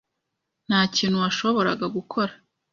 Nta kintu washoboraga gukora.